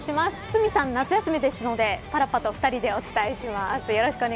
堤さん、夏休みですのでパラッパと２人でお伝えします。